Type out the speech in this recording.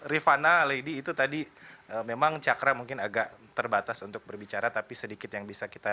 rifana lady itu tadi memang cakra mungkin agak terbatas untuk berbicara tapi sedikit yang bisa kita